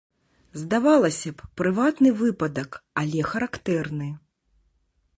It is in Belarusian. Здавалася б, прыватны выпадак, але характэрны.